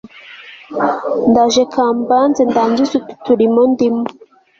ndaje kambanze ndangize utu turimo ndimo